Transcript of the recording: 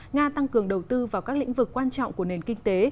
nga tăng cường đầu tư vào các lĩnh vực quan trọng của nền kinh tế